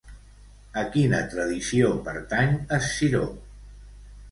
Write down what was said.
A quina tradició pertany Esciró?